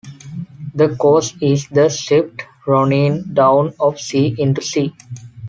The cause is the swifte ronnyng downe of sea into sea.